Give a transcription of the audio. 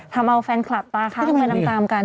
ทำเอาแฟนคลับตาข้างไปตามกัน